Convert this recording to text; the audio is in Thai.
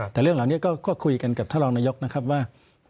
แต่เรื่องเหล่านี้ก็คุยกันกับท่านรองนายกนะครับว่า